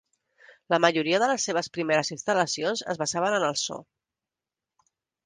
La majoria de les seves primeres instal·lacions es basaven en el so.